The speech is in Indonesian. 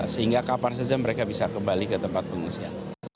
sehingga kapal sejam mereka bisa kembali ke tempat pengungsian